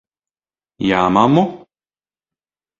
Jā, mammu?